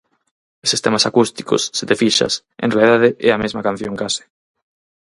Eses temas acústicos, se te fixas, en realidade é a mesma canción case.